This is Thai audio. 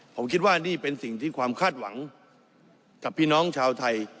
ผมคิดว่านี่เป็นสิ่งที่ความคาดหวังกับพี่น้องชาวไทย